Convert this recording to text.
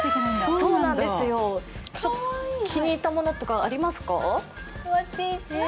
気に入ったものとかありますか？